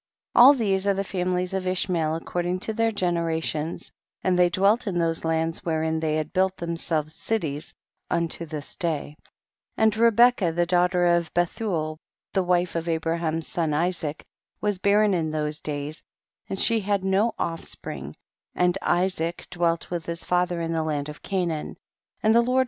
27. All these are the families of Ishmael according to their genera tions, and they dwelt in those lands wherein they had built themselves cities unto this day. 28. And Rebecca the daughter of Bethnel, the wife of Abraham's son Isaac, was barren in those days, she had no offspring ; and Isaac dwelt * This is generally called Mohammed.